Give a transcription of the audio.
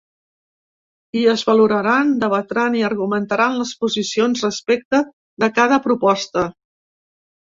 I es valoraran, debatran i argumentaran les posicions respecte de cada proposta.